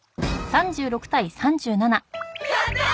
やったー！